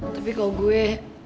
tapi kalau gue